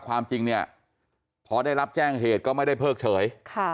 ความจริงเนี่ยพอได้รับแจ้งเหตุก็ไม่ได้เพิกเฉย